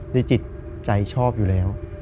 จิตใจชอบอยู่แล้ว